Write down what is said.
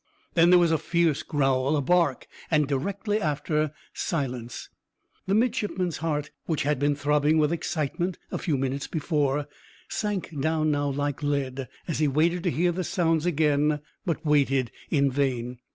Then there was a fierce growl, a bark, and directly after silence. The midshipman's heart, which had been throbbing with excitement a few minutes before, sank down now like lead, as he waited to hear the sounds again, but waited in vain.